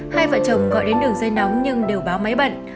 hai vợ chồng gọi đến đường dây nóng nhưng đều báo máy bận